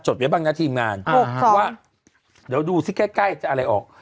ไว้บ้างนะทีมงานว่าเดี๋ยวดูสิใกล้ใกล้จะอะไรออก